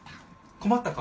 困った顔？